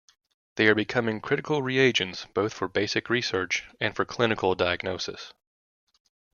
They are becoming critical reagents both for basic research and for clinical diagnosis.